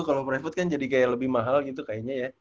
kalau private kan jadi kayak lebih mahal gitu kayaknya ya